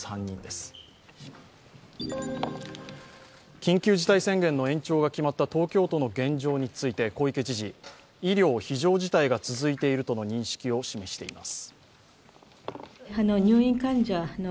緊急事態宣言の延長が決まった東京都の現状について小池知事、医療非常事態が続いているとの認識を示しています。